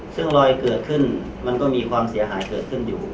ซึ่งรอยเกิดขึ้นมันก็มีความเสียหายเกิดขึ้นอยู่